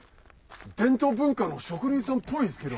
伝統文化の職人さんっぽいですけど。